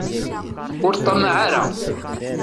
Ur ṭṭamaɛ ara.